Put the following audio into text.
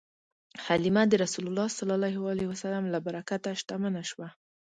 حلیمه د رسول الله ﷺ له برکته شتمنه شوه.